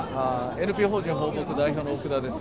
ＮＰＯ法人「抱樸」代表の奥田です。